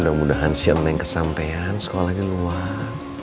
mudah mudahan siang neng kesampean sekolahnya luar